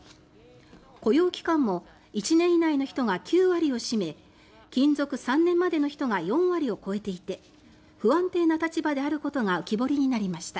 雇用期間も１年以内の人が９割を占め勤続３年までの人が４割を超えていて不安定な立場であることが浮き彫りになりました。